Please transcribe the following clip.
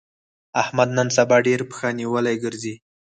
احمد نن سبا ډېر پښه نيولی ګرځي.